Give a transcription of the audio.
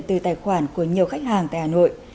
từ tài khoản của nhiều khách hàng tại hà nội